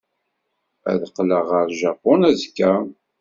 Ad qqleɣ ɣer Japun azekka.